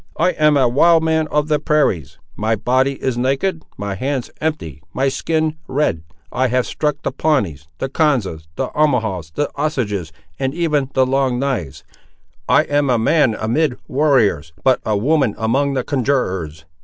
I am a wild man of the prairies; my body is naked; my hands empty; my skin red. I have struck the Pawnees, the Konzas, the Omahaws, the Osages, and even the Long knives. I am a man amid warriors, but a woman among the conjurors.